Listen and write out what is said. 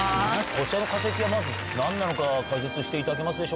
こちらの化石はまず何なのか解説していただけますでしょうか。